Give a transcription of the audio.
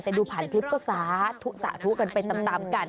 แต่ดูผ่านคลิปก็สาธุสาธุกันไปตามกัน